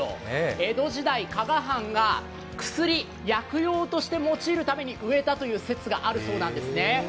江戸時代、加賀藩が薬、薬用として用いるために植えたという説があるそうなんですね。